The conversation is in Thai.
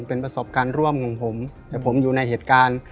เป็นประสบการณ์ร่วมของผมแต่ผมอยู่ในเหตุการณ์